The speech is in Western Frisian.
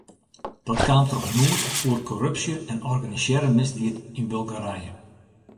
Dat kaam troch noed oer korrupsje en organisearre misdied yn Bulgarije.